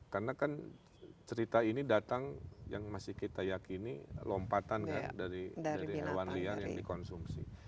karena kan cerita ini datang yang masih kita yakini lompatan kan dari hewan liang yang dikonsumsi